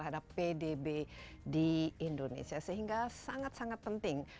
di indonesia sehingga sangat sangat penting